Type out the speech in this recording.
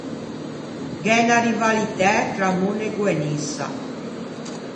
Gh'é unna rivalitæ tra Monego e Nissa.